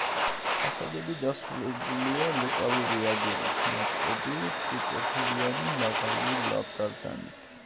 ფასადები დასრულებულია ლეკალური აგურით ნაწყობი, რთულპროფილიანი, მაღალი ლავგარდანით.